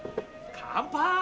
乾杯！